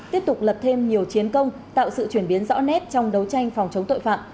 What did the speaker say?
tiếp tục lập thêm nhiều chiến công tạo sự chuyển biến rõ nét trong đấu tranh phòng chống tội phạm